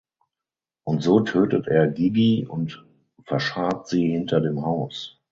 Und so tötet er Gigi und verscharrt sie hinter dem Haus.